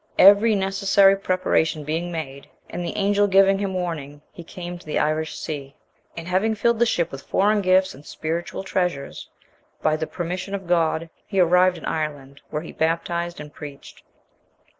Every necessary preparation being made, and the angel giving him warning, he came to the Irish Sea. And having filled the ship with foreign gifts and spiritual treasures, by the permission of God he arrived in Ireland, where he baptized and preached.